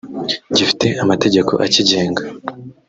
gifite amategeko akigenga